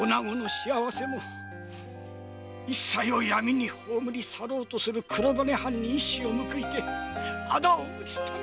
一切を闇に葬り去ろうとする黒羽藩に一矢を報いて仇を討つために！